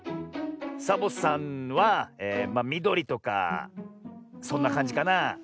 サボさんはみどりとかそんなかんじかなあ。